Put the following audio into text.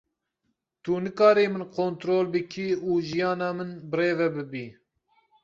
Tu nikarî min kontrol bikî û jiyana min bi rê ve bibî.